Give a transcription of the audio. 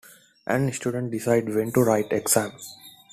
And students decide when to write exams.